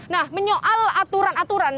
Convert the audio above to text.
nah menyoal aturan aturan